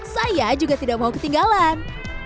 saya juga tidak mau ketinggalan